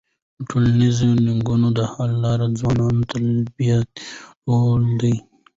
د ټولنیزو ننګونو د حل لپاره ځوانان تلپاتې رول لري.